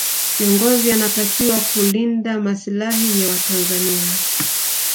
kiongozi anatakiwa kulinde masilahi ya watanzania